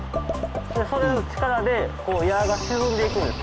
それの力でこう矢が沈んでいくんです。